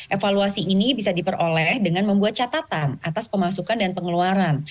evaluasi ini bisa diperoleh dengan membuat catatan atas pemasukan dan pengeluaran